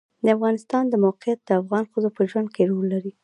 د افغانستان د موقعیت د افغان ښځو په ژوند کې رول لري.